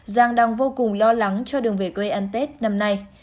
giang đang vô cùng lo lắng cho đường về quê ăn tết năm nay